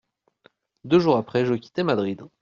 Deux jours après, je quittais Madrid.